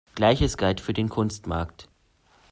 Gleiches galt für den Kunstmarkt.